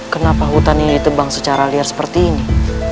kenapa hutan ini ditebang secara liar seperti ini